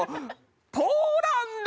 ポーランド！